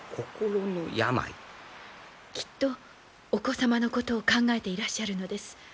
きっとお子様のことを考えていらっしゃるのです。